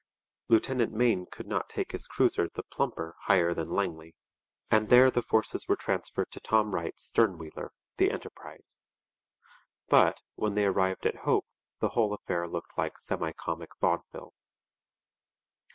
Lieutenant Mayne could not take his cruiser the Plumper higher than Langley; and there the forces were transferred to Tom Wright's stern wheeler, the Enterprise. But, when they arrived at Hope, the whole affair looked like semi comic vaudeville.